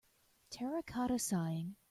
Terracotta Sighing.